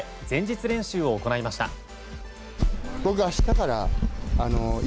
前日練習を行いました。